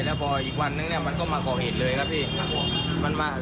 แล้วพออีกวันนึงเนี่ยมันก็มาก่อเหตุเลยครับพี่